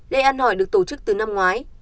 để ăn hỏi được tổ chức từ năm ngoái